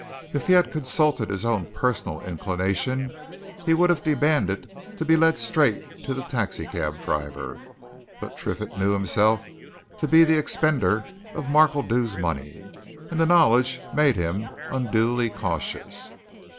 If he had consulted his own personal inclination he would have demanded to be led straight to the taxi cab driver. But Triffitt knew himself to be the expender of the Markledew money, and the knowledge made him unduly cautious.